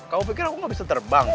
kamu pikir aku gak bisa terbang